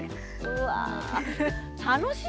うわ。